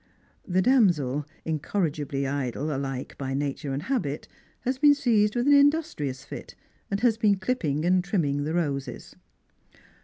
The damsel, incorrigibly idle ahke by nature and habit, has been seized with an industrious fit, and has been clipping and trim ming the roses.